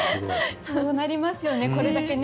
そうなりますよね